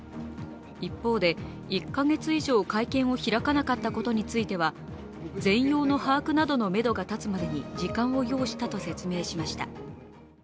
一方で、１か月以上会見を開かなかったことについては全容の把握などのめどが立つまでに時間を要したと説明しました。